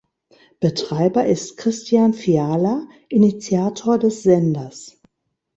Betreiber ist Christian Fiala, Initiator des Senders.